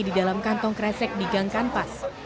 kami mengangkatkan tong kresek di gang kanpas